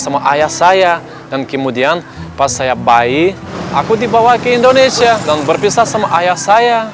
sama ayah saya dan kemudian pas saya bayi aku dibawa ke indonesia dan berpisah sama ayah saya